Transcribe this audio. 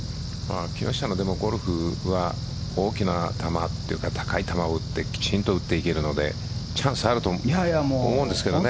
木下のゴルフは大きな球というか高い球を打ってきちんと打っていけるのでチャンスはあると思うんですけどね。